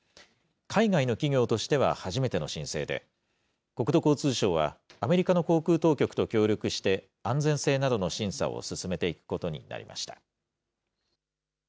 海外の企業としては初めての申請で、国土交通省はアメリカの航空当局と協力して、安全性などの審査を進めていくことになりました。